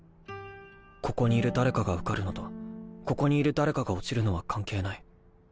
ここにいる誰かが受かるのとここにいる誰かが落ちるのは関係ない。